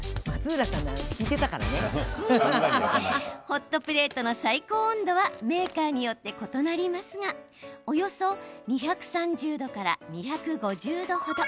ホットプレートの最高温度はメーカーによって異なりますがおよそ２３０度から２５０度程。